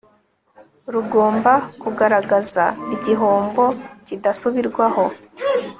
rugomba kugaragaza igihombo kidasubirwaho